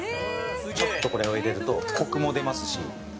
ちょっとこれを入れるとコクも出ますし。